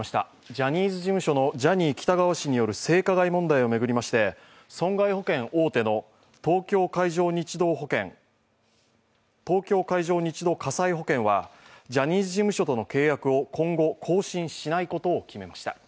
ジャニーズ事務所のジャニー喜多川氏による性加害問題を巡りまして、損害保険大手の東京海上日動火災保険はジャニーズ事務所との契約を今後更新しないことを決めました。